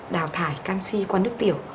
đào thải canxi qua nước tiểu